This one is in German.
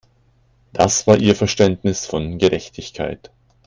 Das war ihr Verständnis von Gerechtigkeit.